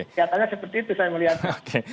kejadiannya seperti itu saya melihat